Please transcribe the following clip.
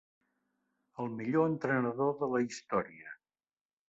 El millor entrenador de la història.